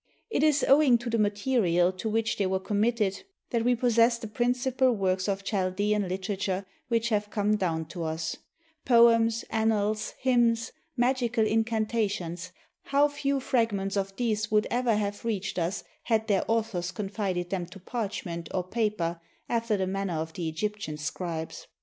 It is owing to the material to which they were committed that we possess the principal works of Chaldaean hter ature which have come down to us — poems, annals, hymns, magical incantations; how few fragments of these would ever have reached us had their authors con fided them to parchment or paper, after the manner of the Eg}^tian scribes!